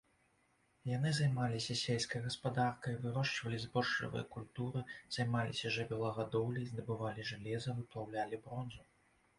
Яны займаліся сельскай гаспадаркай, вырошчвалі збожжавыя культуры, займаліся жывёлагадоўляй, здабывалі жалеза, выплаўлялі бронзу.